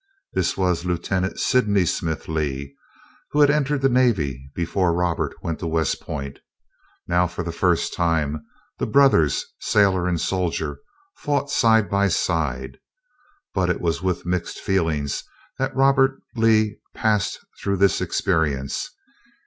This was Lieutenant Sydney Smith Lee, who had entered the Navy before Robert went to West Point. Now for the first time the brothers, sailor and soldier, fought side by side. But it was with mixed feelings that Robert Lee passed through this experience.